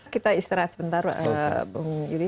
kita istirahat sebentar bung yudi